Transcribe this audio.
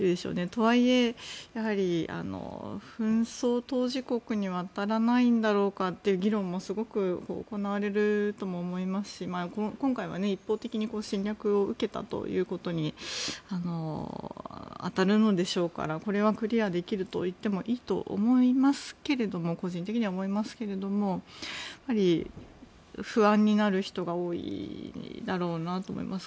とはいえ、やはり紛争当事国には当たらないんだろうかという議論もすごく行われると思いますし今回は一方的に侵略を受けたということに当たるのでしょうからこれはクリアできるといってもいいと思いますけど個人的には思いますけれども不安になる人が多いだろうなと思います。